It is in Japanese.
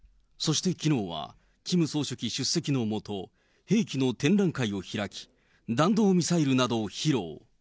そしてきのうは、キム総書記出席の下、兵器の展覧会を開き、弾道ミサイルなどを披露。